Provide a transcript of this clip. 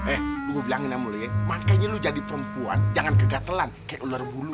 eh gua bilangin aja muli ya makanya lu jadi perempuan jangan kegatelan kayak ular bulu